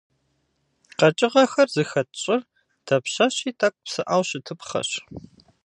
Къэкӏыгъэхэр зыхэт щӏыр дапщэщи тӏэкӏу псыӏэу щытыпхъэщ.